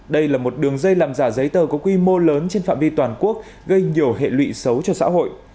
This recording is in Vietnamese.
đây là một đường dây làm giả giấy tờ có quy mô lớn trên phạm vi toàn quốc gây nhiều hệ lụy xấu cho xã hội